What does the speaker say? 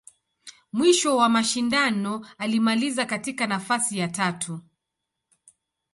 Mwisho wa mashindano, alimaliza katika nafasi ya tatu.